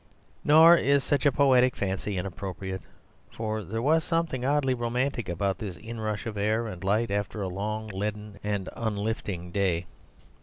Nor is such a poetic fancy inappropriate, for there was something oddly romantic about this inrush of air and light after a long, leaden and unlifting day.